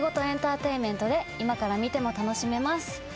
エンターテインメントで今から見ても楽しめます。